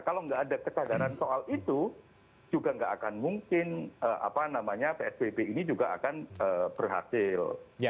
kalau nggak ada kesadaran soal itu juga nggak akan mungkin psbb ini juga akan berhasil